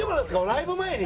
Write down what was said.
ライブ前に？